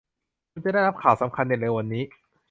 คุณจะได้รับข่าวสำคัญในเร็ววันนี้